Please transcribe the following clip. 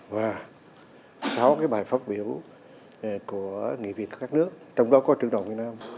và sáu cái bài phát biểu của nghị viện các nước trong đó có trưởng đoàn việt nam